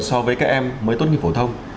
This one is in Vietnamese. so với các em mới tốt nghiệp phổ thông